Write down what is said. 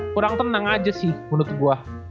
kurang tenang aja sih menurut gue